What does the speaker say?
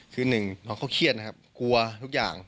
คือหนึ่งน้องเขาเครียดนะครับกลัวทุกอย่าง